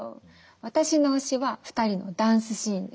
私の推しは２人のダンスシーンです！